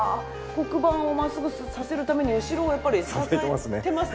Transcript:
黒板を真っすぐさせるために後ろをやっぱり支えてますね。